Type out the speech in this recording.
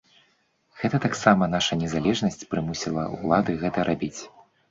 Гэта таксама наша незалежнасць прымусіла ўлады гэта рабіць.